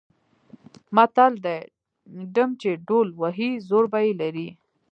متل دی: ډم چې ډول وهي زور به یې لري.